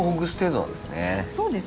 そうですね。